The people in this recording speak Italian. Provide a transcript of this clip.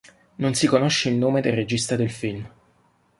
Non si conosce il nome del regista del film.